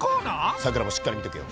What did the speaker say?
さくらもしっかり見とけよ。